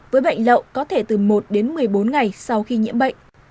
với bệnh lậu có thể từ một đến một mươi bốn ngày sau khi nhiễm bệnh